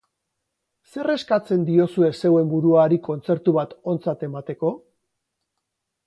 Zer eskatzen diozue zeuen buruari kontzertu bat ontzat emateko?